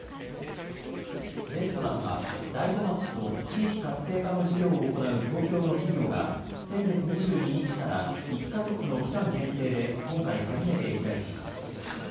レストランは、大子町と地域活性化の事業を行う東京の企業が、先月２２日から１か月の期間限定で、今回初めて開いています。